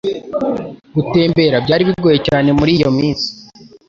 Gutembera byari bigoye cyane muri iyo minsi.